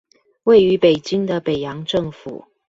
位於北京的北洋政府